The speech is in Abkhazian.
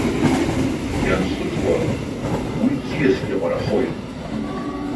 Ианхыҵуа уи ӡиаск иаҟарахоит.